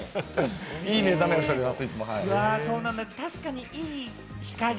いい目覚めをしております。